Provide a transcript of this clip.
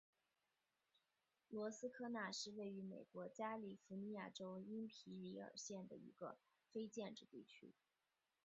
罗斯科纳是位于美国加利福尼亚州因皮里尔县的一个非建制地区。